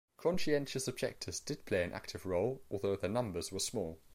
Conscientious objectors did play an active role although their numbers were small.